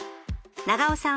永尾さん